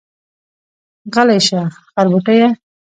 غلی شه خربوټيه.